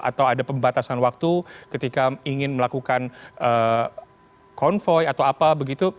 atau ada pembatasan waktu ketika ingin melakukan konvoy atau apa begitu